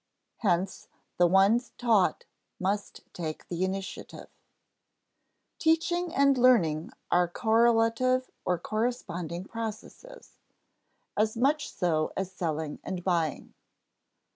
[Sidenote: Hence, the one taught must take the initiative] Teaching and learning are correlative or corresponding processes, as much so as selling and buying.